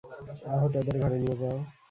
আহতদের ঘরে নিয়ে যাও।